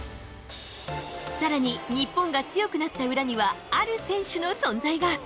さらに、日本が強くなった裏には、ある選手の存在が。